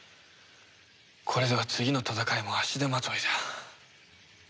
これでは次の戦いも足手まといだ。